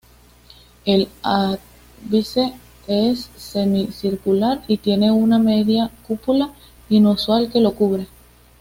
El ábside es semicircular, y tiene una media cúpula inusual que lo cubre.